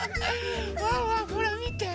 ワンワンほらみて。